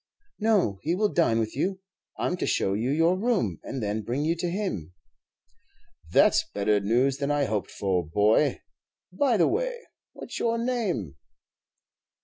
"No, he will dine with you. I 'm to show you your room, and then bring you to him." "That 's better news than I hoped for, boy. By the way, what's your name?"